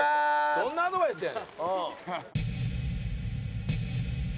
どんなアドバイスやねん。